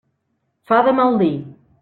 Fa de mal dir.